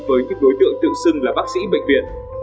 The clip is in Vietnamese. với các đối tượng tự xưng là bác sĩ bệnh viện